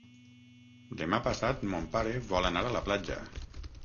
Demà passat mon pare vol anar a la platja.